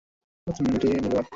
প্রতিটা মিনিটই মূল্যবান।